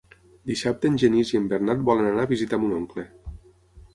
Dissabte en Genís i en Bernat volen anar a visitar mon oncle.